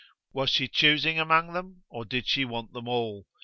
Was she choosing among them or did she want them all?